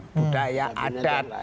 bendera budaya adat